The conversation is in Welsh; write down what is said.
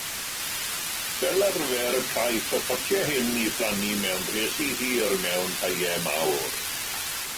Fel arfer caiff y potiau hyn eu plannu mewn rhesi hir mewn caeau mawr.